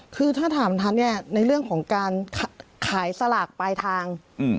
คือถ้าถามท่านเนี่ยในเรื่องของการขายสลากปลายทาง